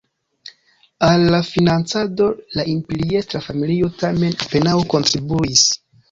Al la financado la imperiestra familio tamen apenaŭ kontribuis.